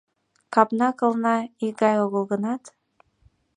Капна-кылна икгай огыл гынат